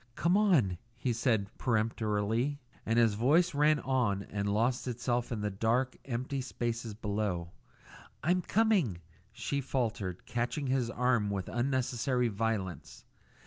"Come on!" he said peremptorily, and his voice ran on and lost itself in the dark, empty spaces below. "I'm coming," she faltered, catching his arm with unnecessary violence.